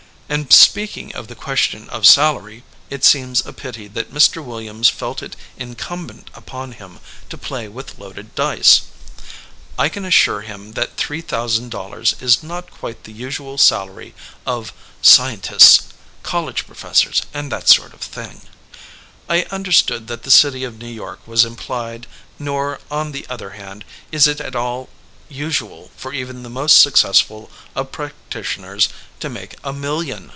And speaking of the question of salary, it seems a pity that Mr. Williams felt it incumbent upon him to play with loaded dice. I can assure him that three thou sand dollars is not quite the usual salary of ''scien tists, college professors and that sort of thing" — I understood that the city of New York was implied — nor, on the other hand, is it at all usual for even the most successful of practitioners to make a million!